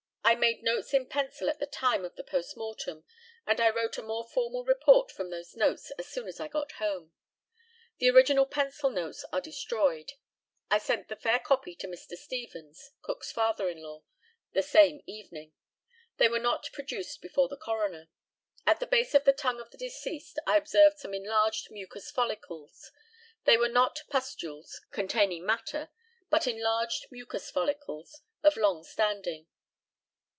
I made notes in pencil at the time of the post mortem, and I wrote a more formal report from those notes as soon as I got home. The original pencil notes are destroyed. I sent the fair copy to Mr. Stevens, Cook's father in law, the same evening. They were not produced before the coroner. At the base of the tongue of the deceased I observed some enlarged mucous follicles; they were not pustules containing matter, but enlarged mucous follicles of long standing.